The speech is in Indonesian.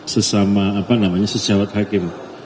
sesama apa namanya sejawat hakim